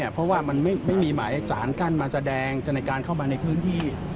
เพราะว่ามันไม่มีหมายสารกั้นมาแสดงในการเข้ามาในพื้นที่